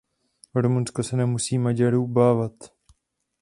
Rumunsko se nemusí Maďarů obávat.